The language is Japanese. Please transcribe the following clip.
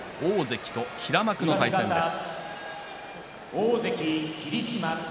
大関と平幕の対戦です。